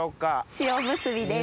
塩むすびです。